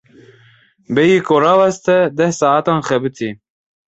Bêyî ku raweste deh saetan xebitî.